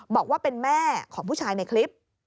บอกว่าเป็นแม่ของผู้ชายในคลิป